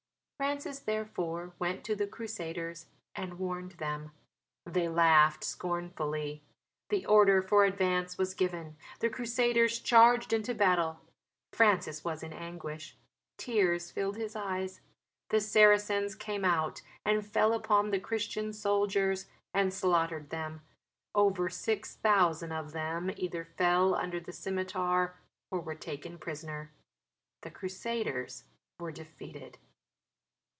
Francis, therefore, went to the Crusaders and warned them. They laughed scornfully. The order for advance was given. The Crusaders charged into battle. Francis was in anguish tears filled his eyes. The Saracens came out and fell upon the Christian soldiers and slaughtered them. Over 6000 of them either fell under the scimitar or were taken prisoner. The Crusaders were defeated.